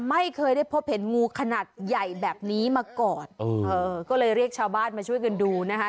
ไม่เคยได้พบเห็นงูขนาดใหญ่แบบนี้มาก่อนเออก็เลยเรียกชาวบ้านมาช่วยกันดูนะคะ